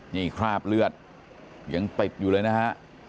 นี่คราบเลือดยังติดอยู่เลยนะฮะ